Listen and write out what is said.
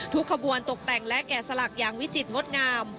ขบวนตกแต่งและแก่สลักอย่างวิจิตรงดงาม